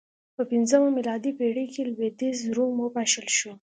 په پنځمه میلادي پېړۍ کې لوېدیځ روم وپاشل شو